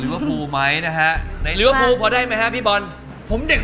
ถ้าหรู้เรื่องพี่พี่โอเค